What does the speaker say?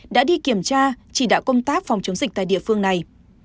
đã đi kiểm tra chỉ đạo công tác phòng chống dịch tại địa phương này